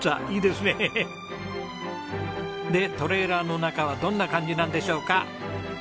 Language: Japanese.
でトレーラーの中はどんな感じなんでしょうか？